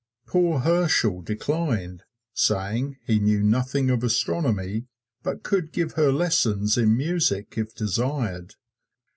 Poor Herschel declined, saying he knew nothing of astronomy, but could give her lessons in music if desired.